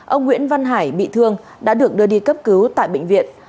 ông nguyễn văn hải bị thương đã được đưa đi cấp cứu tại bệnh viện